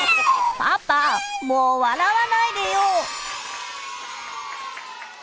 パパも笑わないでよ！